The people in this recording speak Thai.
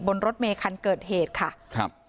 บนรถเมคันเกิดเหตุค่ะ